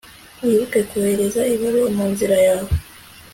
wibuke kohereza ibaruwa munzira yawe